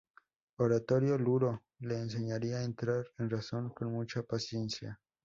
Horatio Luro le enseñaría a entrar en razón con mucha paciencia.